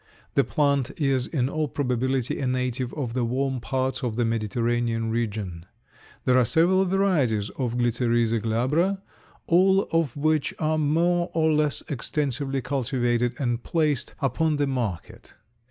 The plant is in all probability a native of the warm parts of the Mediterranean region. There are several varieties of G. glabra, all of which are more or less extensively cultivated and placed upon the market.